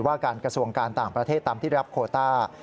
ว่าการกระทรวงการต่างประเทศตามที่ได้รับโคต้า